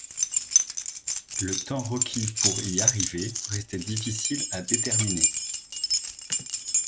Le temps requis pour y arriver restait difficile à déterminer.